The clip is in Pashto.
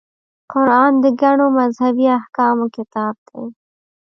قران د ګڼو مذهبي احکامو کتاب دی.